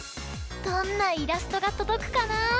どんなイラストがとどくかな！